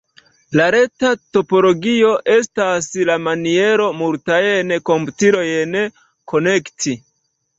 La reta topologio estas la maniero, multajn komputilojn konekti.